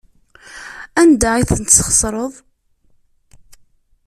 Anda ay tent-tesxeṣreḍ?